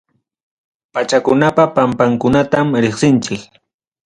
Pachakunapa pampankunatam riqsinchik.